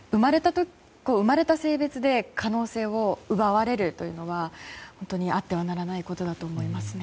生まれた性別で可能性を奪われるというのは本当にあってはならないことだと思いますね。